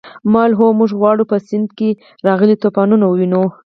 ما وویل هو موږ غواړو په سیند کې راغلی طوفان ووینو.